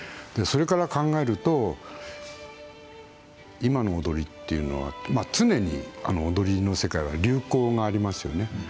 それから考えると今の踊りっていうのは常に踊りの世界は流行がありますよね。